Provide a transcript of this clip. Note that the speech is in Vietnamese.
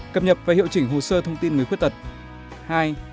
một cập nhập và hiệu chỉnh hồ sơ thông tin người khuyết tật